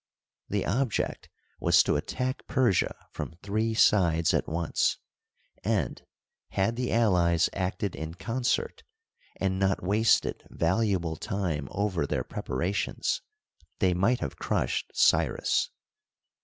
The object was to attack Persia from three sides at once, and, had the allies acted in concert, and not wasted valu able time over their preparations, they might have crushed Cyrus.